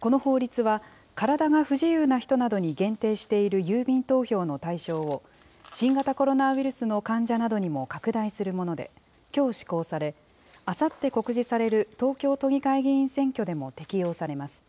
この法律は、体が不自由な人などに限定している郵便投票の対象を、新型コロナウイルスの患者などにも拡大するもので、きょう施行され、あさって告示される東京都議会議員選挙でも適用されます。